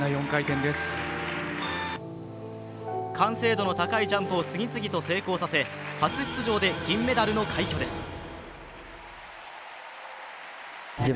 完成度の高いジャンプを次々と成功させ、初出場で銀メダルの快挙です。